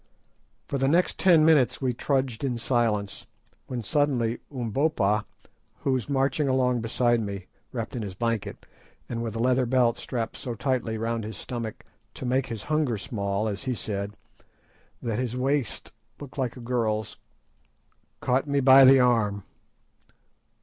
For the next ten minutes we trudged in silence, when suddenly Umbopa, who was marching along beside me, wrapped in his blanket, and with a leather belt strapped so tightly round his stomach, to "make his hunger small," as he said, that his waist looked like a girl's, caught me by the arm.